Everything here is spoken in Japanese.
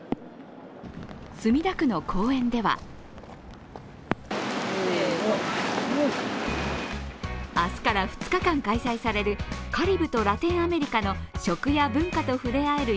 墨田区の公園では明日から２日間開催されるカリブとラテンアメリカの食や文化とふれあえる